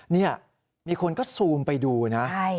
นี่มีคนก็ซูมไปดูนะ